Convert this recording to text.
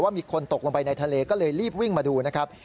มีคนตกลงไปในทะเลก็เลยรีบวิ่งมาดูนะครับ